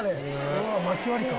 うわあ薪割りか。